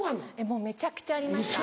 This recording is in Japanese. もうめちゃくちゃありました。